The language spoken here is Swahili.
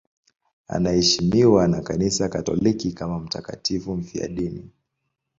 Anaheshimiwa na Kanisa Katoliki kama mtakatifu mfiadini.